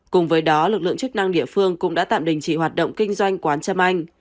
cùng với đó lực lượng chức năng địa phương cũng đã tạm đình chỉ hoạt động kinh doanh quán trâm anh